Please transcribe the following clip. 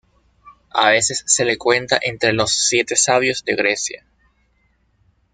A veces se le cuenta entre los Siete Sabios de Grecia.